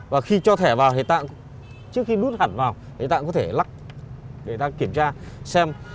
và khi cho thẻ vào thì ta trước khi nút hẳn vào thì ta cũng có thể lắc để ta kiểm tra xem